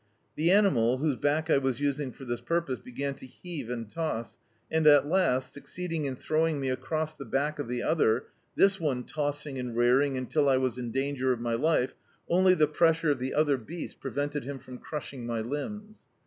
The animal, whose back I was using for this purpose, began to heave and toss, and at last succeeding in throwing me across the back of the other, this one tossing and rearing until I was in danger of my life, only the pressure of the other D,i.,.db, Google The Cattleman's Office beasts preventing him from crushing my limbs.